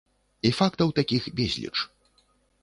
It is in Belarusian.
І фактаў такіх безліч.